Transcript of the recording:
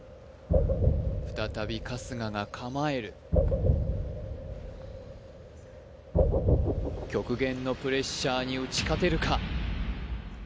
再び春日が構える極限のプレッシャーに打ち勝てるか？